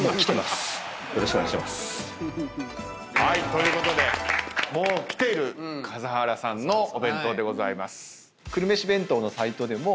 ということでもうきている笠原さんのお弁当でございます。